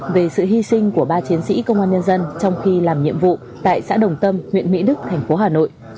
về sự hy sinh của ba chiến sĩ công an nhân dân trong khi làm nhiệm vụ tại xã đồng tâm huyện mỹ đức thành phố hà nội